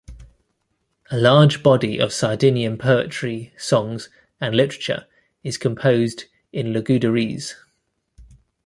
A large body of Sardinian poetry, songs and literature is composed in Logudorese.